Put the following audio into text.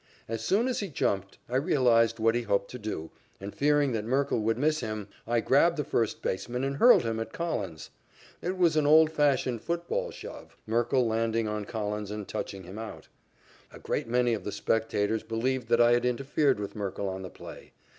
As soon as he jumped, I realized what he hoped to do, and, fearing that Merkle would miss him, I grabbed the first baseman and hurled him at Collins. It was an old fashioned, football shove, Merkle landing on Collins and touching him out. A great many of the spectators believed that I had interfered with Merkle on the play.